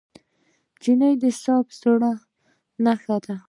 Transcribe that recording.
نجلۍ د صفا زړه نښه ده.